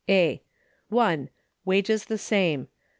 A. (1.) Wages the same.